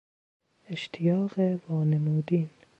اشتیاق وانمودین